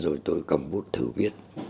thế rồi tôi cầm bút thử viết